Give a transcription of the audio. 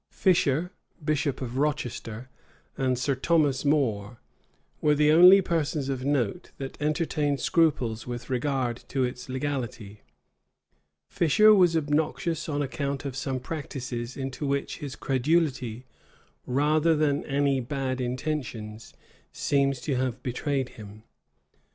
Fisher, bishop of Rochester, and Sir Thomas More, were the only persons of note that entertained scruples with regard to its legality. Fisher was obnoxious on account of some practices into which his credulity, rather than any bad intentions, seems to have betrayed him.